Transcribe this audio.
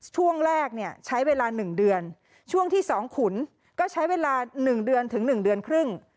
ช่วงแรกเนี่ยใช้เวลา๑เดือนช่วงที่๒ขุนก็ใช้เวลา๑เดือนถึง๑เดือนครึ่ง